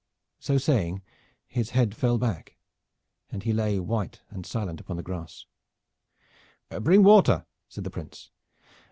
So saying his head fell back, and he lay white and silent upon the grass. "Bring water!" said the Prince.